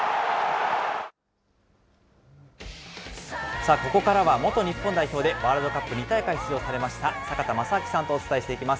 さあ、ここからは元日本代表で、ワールドカップ２大会出場されました、坂田正彰さんとお伝えしていきます。